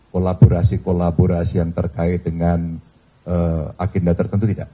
kolaborasi kolaborasi yang terkait dengan agenda tertentu tidak